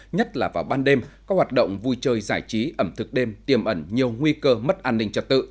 nhất là vào ban đêm các hoạt động vui chơi giải trí ẩm thực đêm tiêm ẩn nhiều nguy cơ mất an ninh trật tự